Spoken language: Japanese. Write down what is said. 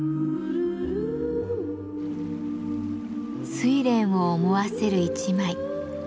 睡蓮を思わせる一枚。